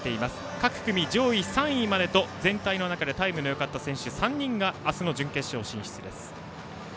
各組上位３位までと、全体の中でタイムのよかった選手３人が明日の準決勝進出です。